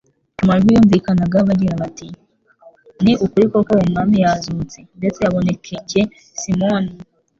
Amajwi yumvikanaga bagira, bati : "Ni ukuri koko Umwami yazutse, ndetse yabonekcye Simoni."